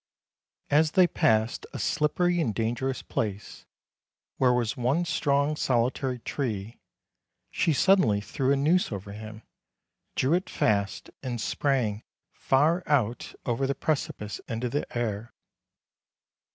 As they passed a slippery and dangerous place, where was one strong solitary tree, she suddenly threw a noose over him, drew it fast and sprang far out over the precipice into the air.